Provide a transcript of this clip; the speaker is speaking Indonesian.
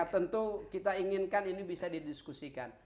tentu kita inginkan ini bisa didiskusikan